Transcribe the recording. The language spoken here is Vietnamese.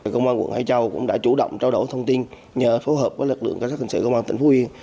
công an quận hải châu cũng đã chủ động trao đổi thông tin nhờ phối hợp với lực lượng cảnh sát hình sự công an tỉnh phú yên